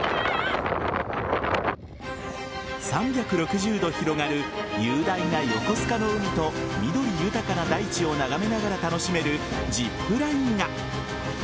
３６０度広がる雄大な横須賀の海と緑豊かな大地を眺めながら楽しめるジップラインが。